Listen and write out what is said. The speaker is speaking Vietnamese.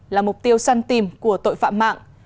là mục tiêu săn tìm của tội phạm mạng